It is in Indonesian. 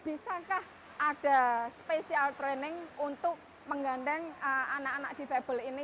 bisakah ada special training untuk menggandeng anak anak difabel ini